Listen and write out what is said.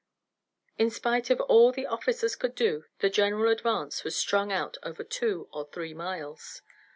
In spite of all the officers could do, the general advance was strung out over two or three miles.